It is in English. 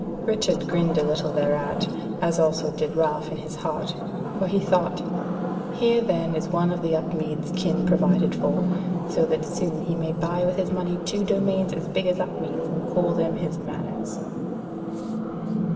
Richard grinned a little thereat, as also did Ralph in his heart; for he thought: "Here then is one of the Upmeads kin provided for, so that soon he may buy with his money two domains as big as Upmeads and call them his manors."